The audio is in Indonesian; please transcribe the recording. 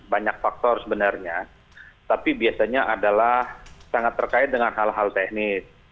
banyak faktor sebenarnya tapi biasanya adalah sangat terkait dengan hal hal teknis